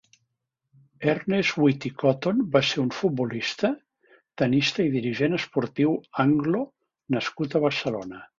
Ernest Witty Cotton va ser un futbolista, tennista i dirigent esportiu anglo- nascut a Barcelona.